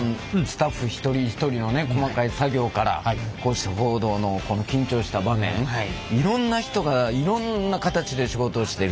スタッフ一人一人のね細かい作業からこうした報道のこの緊張した場面いろんな人がいろんな形で仕事をしてる。